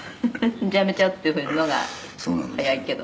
「じゃあやめちゃうっていうのが早いけど」